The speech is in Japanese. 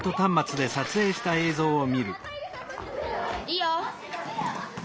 いいよ！